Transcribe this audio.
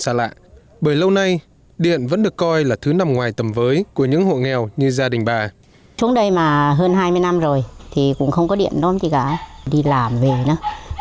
xa lạ bởi lâu nay điện vẫn được coi là thứ nằm ngoài tầm với của những hộ nghèo như gia đình bà